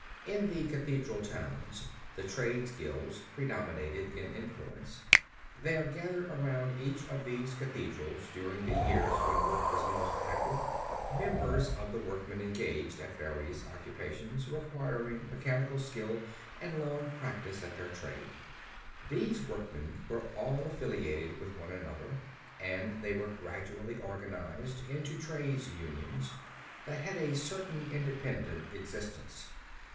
In the cathedral towns the trades' guilds preponderated in influence. There gathered around each of these cathedrals during the years when work was most active, numbers of workmen engaged at various occupations requiring mechanical skill and long practice at their trade. These workmen were all affiliated with one another and they were gradually organized into trades' unions that had a certain independent existence.